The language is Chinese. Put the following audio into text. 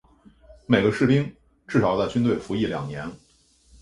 每个士兵至少要在军队服役两年。